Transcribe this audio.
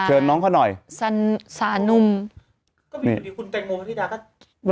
เชิญน้องเขาหน่อยสานุ่มก็มีอยู่ดีคุณแตงโมพธิดาก็